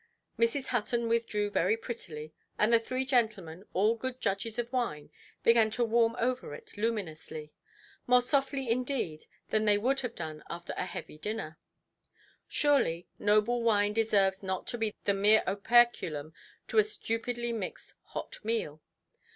Mrs. Hutton withdrew very prettily; and the three gentlemen, all good judges of wine, began to warm over it luminously, more softly indeed than they would have done after a heavy dinner. Surely, noble wine deserves not to be the mere operculum to a stupidly mixed hot meal.